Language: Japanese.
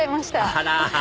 あら！